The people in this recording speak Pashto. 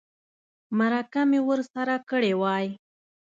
مرکه مې ورسره کړې وای.